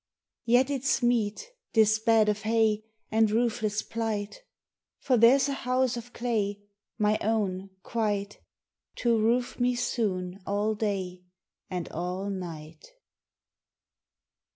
Yet it's meet—this bed of hay And roofless plight; For there's a house of clay, My own, quite, To roof me soon, all day And all night.